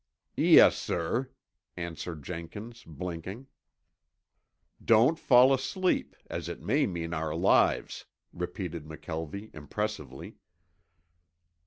"Yes, sir," answered Jenkins, blinking. "Don't fall asleep, as it may mean our lives," repeated McKelvie impressively.